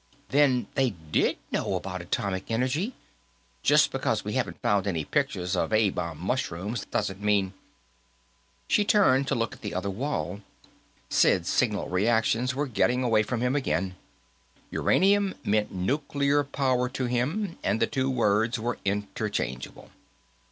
"Then they did know about atomic energy. Just because we haven't found any pictures of A bomb mushrooms doesn't mean " She turned to look at the other wall. Sid's signal reactions were getting away from him again; uranium meant nuclear power to him, and the two words were interchangeable.